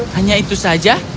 hanya itu saja